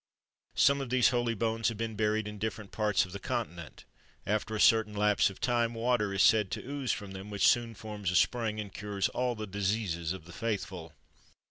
Some of these holy bones have been buried in different parts of the Continent. After a certain lapse of time, water is said to ooze from them, which soon forms a spring, and cures all the diseases of the faithful.